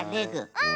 うん！